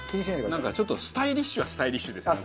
なんかちょっとスタイリッシュはスタイリッシュですもんね。